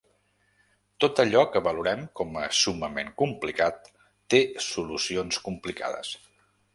Tot allò que valorem com a summament complicat té solucions complicades.